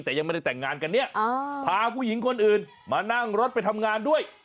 แต่ยังไม่ได้แต่งงานกันเนี่ยพาผู้หญิงคนอื่นมานั่งรถไปทำงานด้วย